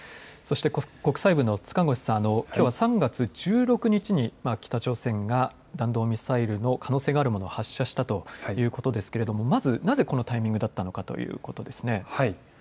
そして国際部の塚越さん、きょうは３月１６日に北朝鮮が弾道ミサイルの可能性があるものを発射したということですがなぜこのタイミングだったということですね。